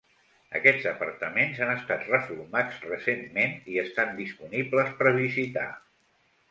Aquests apartaments han estat reformats recentment i estan disponibles per visitar.